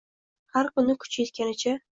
Har kuni, kuchi yetganicha.